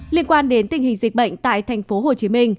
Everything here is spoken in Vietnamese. liên quan đến tình hình dịch bệnh tại tp hcm